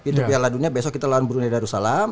pintu piala dunia besok kita lawan brunei darussalam